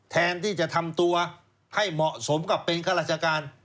แทนที่จะทำตัวให้เหมาะสมกับเป็นข้าราชการ